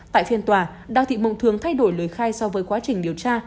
tại phiên tòa đào thị mộng thường thay đổi lời khai so với quá trình điều tra